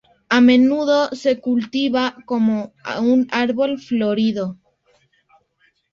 A menudo se cultiva como un árbol florido.